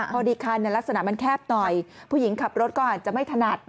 พอดีคันลักษณะมันแคบหน่อยผู้หญิงขับรถก็อาจจะไม่ถนัด